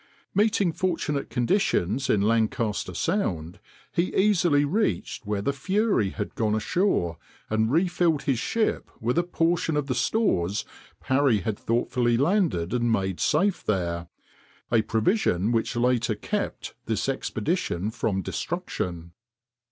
Meeting fortunate conditions in Lancaster Sound he easily reached where the Fury had gone ashore, and refilled his ship with a portion of the stores Parry had thoughtfully landed and made safe there—a provision which later kept this expedition from destruction.